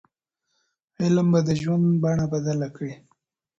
علم به د ژوند بڼه بدله کړي.